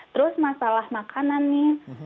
terus masalah makanan nih